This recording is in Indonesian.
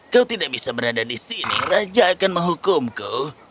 kau tidak bisa berada di sini raja akan menghukumku